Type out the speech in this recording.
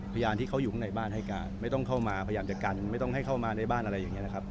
พยานที่เขาอยู่ข้างในบ้านให้การไม่ต้องเข้ามาพยายามจะกันไม่ต้องให้เข้ามาในบ้านอะไรอย่างนี้นะครับ